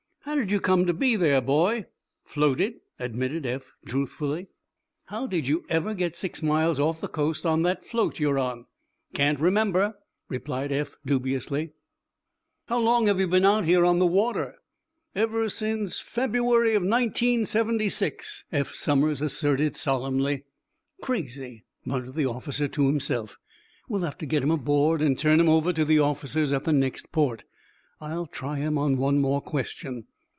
"How did you come to be there, boy?" "Floated," admitted Eph, truthfully. "How did you ever get six miles off the coast on that float you're on?" "Can't remember," replied Eph, dubiously. "How long have you been out here on the water?" "Ever since February, 1976," Eph Somers asserted, solemnly. "Crazy!" muttered the officer to himself. "We'll have to get him aboard and turn him over to the officers at the next port. I'll try him on one more question."